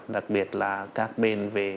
đặc biệt là các bên về